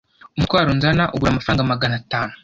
umutwaro nzana ugura amafaranga Magana atanu